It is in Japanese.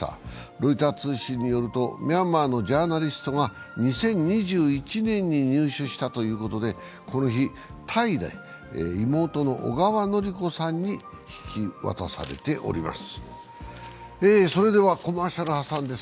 ロイター通信によるとミャンマーのジャーナリストが２０２１年に入手したということでこの日、タイで妹の小野典子さんに引き渡されています。